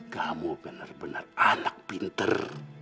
kamu benar benar anak pinter